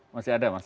masih ada mas